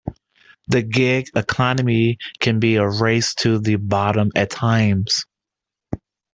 The gig economy can be a race to the bottom at times.